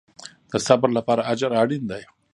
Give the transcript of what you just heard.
د صبر لپاره اجر اړین دی